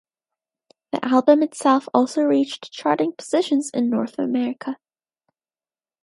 The album itself also reached charting positions in North America.